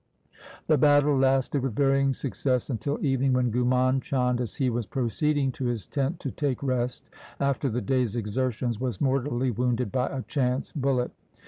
The battle lasted with varying success until evening, when Ghumand Chand, as he was proceeding to his tent to take rest after the day's exertions, was mortally wounded by a chance bullet.